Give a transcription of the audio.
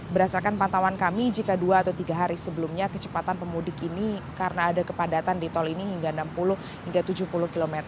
berdasarkan pantauan kami jika dua atau tiga hari sebelumnya kecepatan pemudik ini karena ada kepadatan di tol ini hingga enam puluh hingga tujuh puluh km